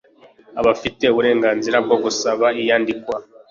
Abafite uburenganzira bwo gusaba iyandikwa